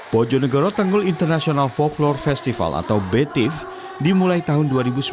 bojonegoro tanggul international folklore festival atau btif dimulai tahun dua ribu sembilan belas